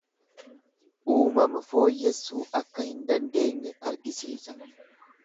Uumama fooyyessuu akka hin dandeenye argisiisa.